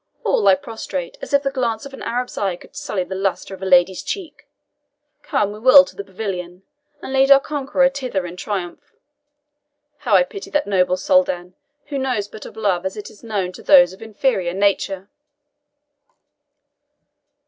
All lie prostrate, as if the glance of an Arab's eye could sully the lustre of a lady's cheek! Come, we will to the pavilion, and lead our conqueror thither in triumph. How I pity that noble Soldan, who knows but of love as it is known to those of inferior nature!"